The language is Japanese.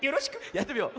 やってみよう。